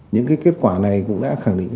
những kết quả này cũng đã khẳng định